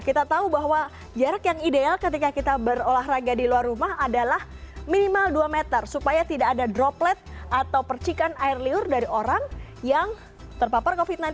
kita tahu bahwa jarak yang ideal ketika kita berolahraga di luar rumah adalah minimal dua meter supaya tidak ada droplet atau percikan air liur dari orang yang terpapar covid sembilan belas